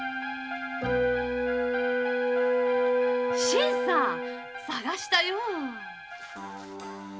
新さん捜したよ。